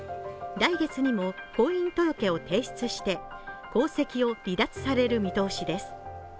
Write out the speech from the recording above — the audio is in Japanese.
来月にも婚姻届を提出して皇籍を離脱される見通しです。